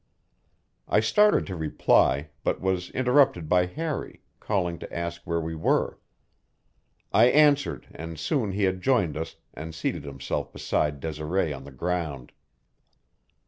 I started to reply, but was interrupted by Harry, calling to ask where we were. I answered, and soon he had joined us and seated himself beside Desiree on the ground.